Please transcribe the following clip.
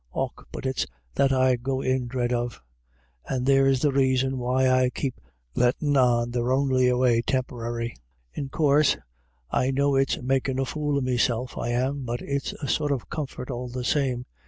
Och, but it's that I go in dread of. And there's the raison why I keep lettin' on they're on'y away tempor'y. In coorse I know it's makin' a fool of meself I am, but it's a sort o' comfort all the same.